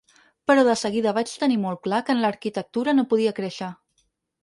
Però de seguida vaig tenir molt clar que en l’arquitectura no podia créixer.